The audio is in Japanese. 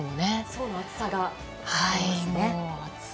層の厚さが分かりますね。